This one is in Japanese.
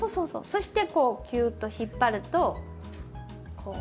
そしてこうキューッと引っ張るとこう。